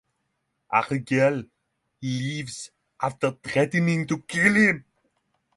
Arielle leaves after threatening to kill him.